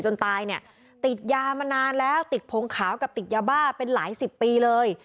ตายเนี่ยติดยามานานแล้วติดพงขาวกับติดยาบ้าเป็นหลายสิบปีเลย